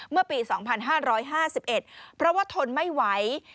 เมื่อปี๒๕๕๑เพราะว่าทนไม่ไหว